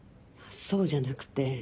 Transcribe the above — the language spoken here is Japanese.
そうじゃなくて。